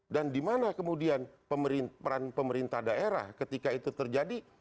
dan dimana kemudian peran pemerintah daerah ketika itu terjadi